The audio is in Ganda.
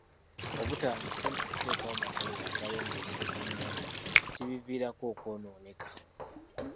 Obutaba na ssente kuteekawo makolero agalongoosa ebyennyanja kibiviirako okwonooneka.